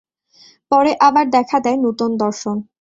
পরে আবার দেখা দেয় নূতন দর্শন।